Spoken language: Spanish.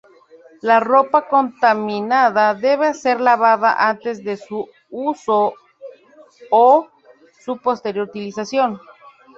La ropa contaminada debe ser lavada antes de su uso o su posterior utilización.